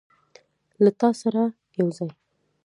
له تا سره یوځای